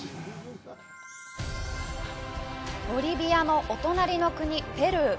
ボリビアのお隣の国・ペルー。